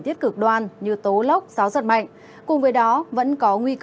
xin chào các bạn